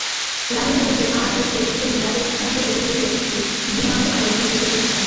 রাহুলের বিরুদ্ধে আরএসএস কর্মী রাজেস কান্তের অভিযোগের পরিপ্রেক্ষিতে ভিবান্দির আদালত পুলিশের প্রতিবেদন চান।